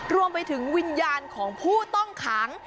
รวมไปถึงวิญญาณของผู้ต้องขัง